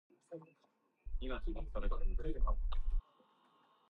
He was very uncomfortable.